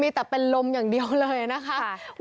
มีแต่เป็นลมอย่างเดียวเลยนะคะ